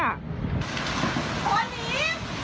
พอหนี